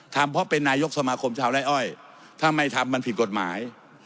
ทำเพราะเป็นนายกสมาคมชาวไร่อ้อยถ้าไม่ทำมันผิดกฎหมาย